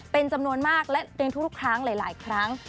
เป็นจำนวนมากและเรียนทุกครั้งหลายครั้ง